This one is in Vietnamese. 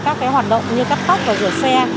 các hoạt động như cắt tóc và rửa xe